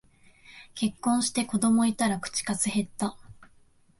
結婚して子供いたら口数へった